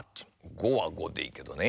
「ご」は「ご」でいいけどね。